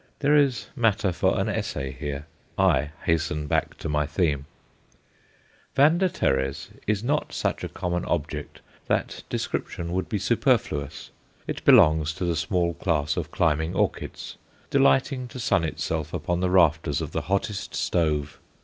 There is matter for an essay here. I hasten back to my theme. V. teres is not such a common object that description would be superfluous. It belongs to the small class of climbing orchids, delighting to sun itself upon the rafters of the hottest stove.